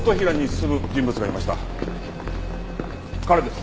彼です。